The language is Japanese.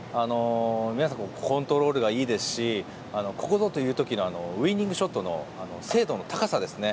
皆さんコントロールがいいですしここぞという時のウイニングショットの精度の高さですね。